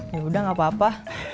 ya udah gak apa apa